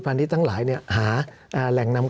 สำหรับกำลังการผลิตหน้ากากอนามัย